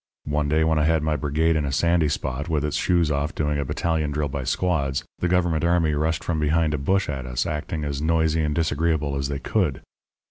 One day when I had my brigade in a sandy spot, with its shoes off doing a battalion drill by squads, the Government army rushed from behind a bush at us, acting as noisy and disagreeable as they could.